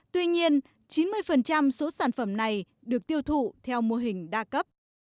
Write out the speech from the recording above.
tuy nhiên chín mươi số sản phẩm này được tiêu thụ theo mô hình đa cấp